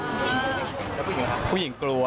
แล้วผู้หญิงครับผู้หญิงกลัว